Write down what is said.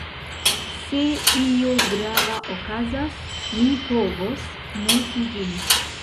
Se io grava okazas, mi povos noti ĝin.